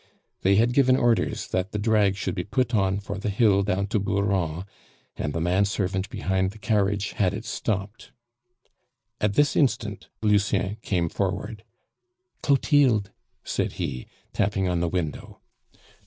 They had given orders that the drag should be put on for the hill down to Bouron, and the man servant behind the carriage had it stopped. At this instant Lucien came forward. "Clotilde!" said he, tapping on the window.